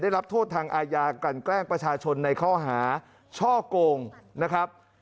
ได้รับโทษทางอาญากันแกล้งประชาชนในข้อหาช่อโกงนะครับ